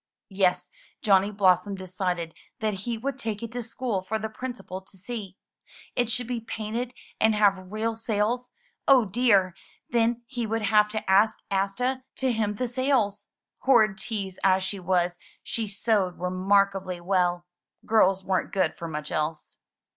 Yes, Johnny Blossom decided that he would take it to school for the Principal to see. It should be painted and have real sails. Oh, dear! Then he would have to ask Asta to hem the sails! Horrid tease as she was, she sewed remarkably well. Girls weren't good for much else.